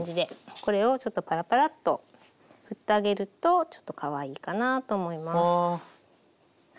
これをちょっとパラパラッとふってあげるとちょっとかわいいかなと思います。